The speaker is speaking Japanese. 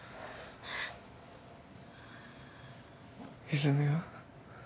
泉は？